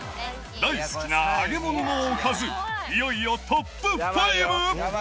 大好きな揚げ物のおかず、いよいよトップ５。